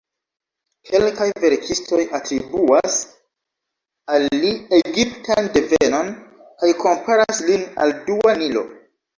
Kelkaj verkistoj atribuas al li egiptan devenon, kaj komparas lin al dua Nilo.